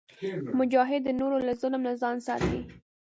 مجاهد د نورو له ظلم نه ځان ساتي.